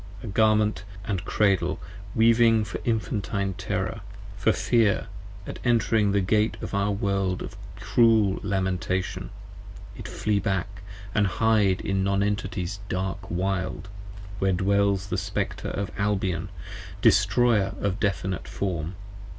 A Garment and Cradle weaving for the infantine Terror: 15 For fear, at entering the gate into our World of cruel Lamentation, it flee back and hide in Non Entity's dark wild, Where dwells the Spectre of Albion: destroyer of Definite Form.